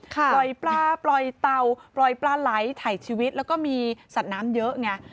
ปล่อยปลาปล่อยเต่าปล่อยปลาไหลถ่ายชีวิตแล้วก็มีสัตว์น้ำเยอะไง